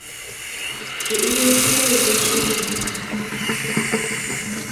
Ye igesgei boisennyu